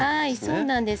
そうなんです。